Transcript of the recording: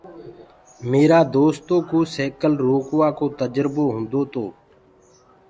ميرآ دوستو ڪوُ سيڪل روڪوآ ڪو تجربو هوُندو تو۔